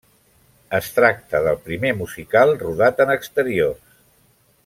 Es tracta del primer musical rodat en exteriors.